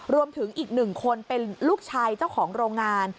รวมถึงอีกหนึ่งคนเป็นลูกชายเจ้าของโรงงาน